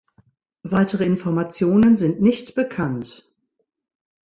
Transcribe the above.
Weitere Informationen sind nicht bekannt.